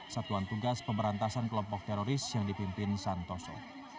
satuan tugas pemberantasan kelompok teroris yang dipimpin santoso